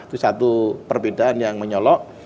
itu satu perbedaan yang menyolok